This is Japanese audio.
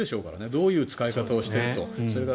どういう使い方をしているか。